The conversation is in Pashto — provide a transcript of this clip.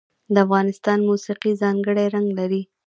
د افغانستان موسیقي ځانګړی رنګ لري.